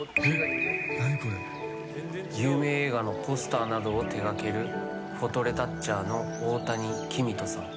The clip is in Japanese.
有名映画のポスターなどを手掛けるフォトレタッチャーの大谷キミトさん。